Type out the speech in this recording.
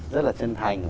rất là chân thành